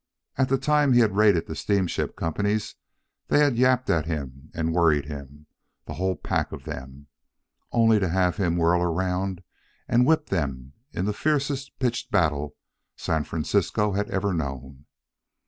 At the time he raided the steamship companies, they had yapped at him and worried him, the whole pack of them, only to have him whirl around and whip them in the fiercest pitched battle San Francisco had ever known.